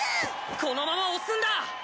このまま押すんだ！